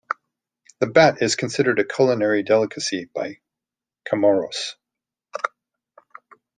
The bat is considered a culinary delicacy by Chamorros.